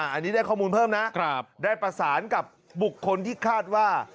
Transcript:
อันนี้ได้ข้อมูลเพิ่มนะได้ประสานกับบุคคลที่คาดว่า